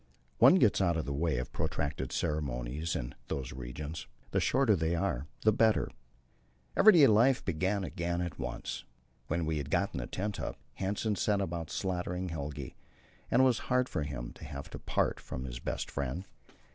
One gets out of the way of protracted ceremonies in those regions the shorter they are the better. Everyday life began again at once. When we had got the tent up, Hanssen set about slaughtering Helge, and it was hard for him to have to part from his best friend.